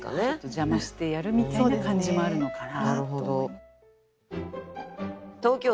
邪魔してやるみたいな感じもあるのかな。